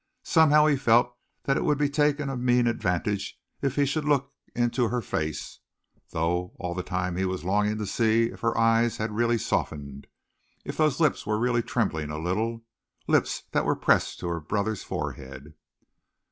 Somehow he felt that it would be taking a mean advantage if he should look into her face, though all the time he was longing to see if her eyes had really softened, if those lips were really trembling a little, lips that were pressed to her brother's forehead.